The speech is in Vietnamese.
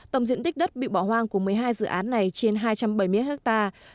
tổng diện tích đất bị bỏ hoang của một mươi hai dự án này trên hai trăm bảy mươi hectare